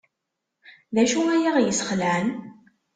D acu ay aɣ-yesxelɛen?